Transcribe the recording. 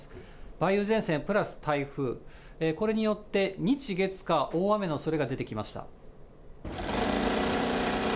梅雨前線プラス台風、これによって、日、月、火、大雨のおそれが出てきました。